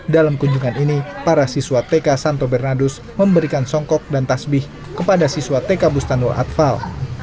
dalam kunjungan ini para siswa tk santo bernadus memberikan songkok dan tasbih kepada siswa tk bustanul atfal